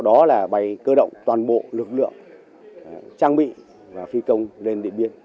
đó là bay cơ động toàn bộ lực lượng trang bị và phi công lên địa biên